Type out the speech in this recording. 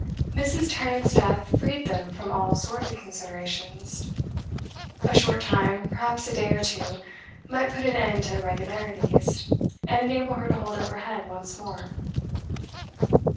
Mrs. Tarrant's death freed them from all sordid considerations. A short time, perhaps a day or two, might put an end to irregularities, and enable her to hold up her head once more.